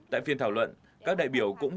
tại phiên thảo luận các đại biểu cũng